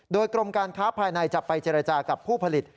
โดยกรมการค้าภายในจะไปเจรจากับผู้ผลิต